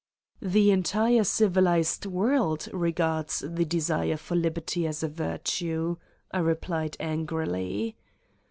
"The entire civilized world regards the desire for liberty as a virtue," I replied angrily.